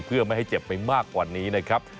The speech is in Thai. เพื่อไม่ให้เจ็บไปมากกว่านี้นะครับ